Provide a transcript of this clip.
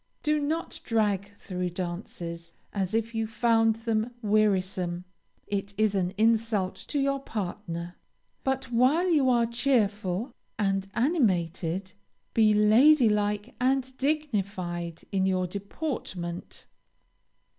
Do not drag through dances as if you found them wearisome; it is an insult to your partner, but while you are cheerful and animated, be lady like and dignified in your deportment.